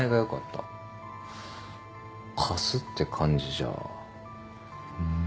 貸すって感じじゃ。